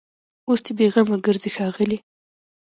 اوس دي بېغمه ګرځي ښاغلي